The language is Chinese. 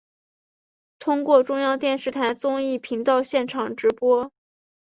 通过中央电视台综艺频道现场直播。